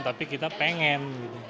tapi kita pengen